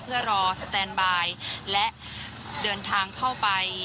เพื่อรอสแตนบายและเดินทางเข้าไป